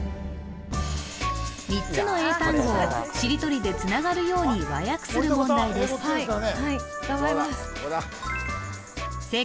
３つの英単語をしりとりでつながるように和訳する問題ですでした